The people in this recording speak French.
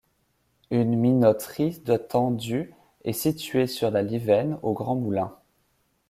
Une minoterie datant du est située sur la Livenne, au Grand Moulin.